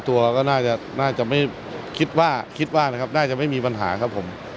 คิดว่าหน้าเราน่าจะสู้กันได้ดีขนาดไหนครับ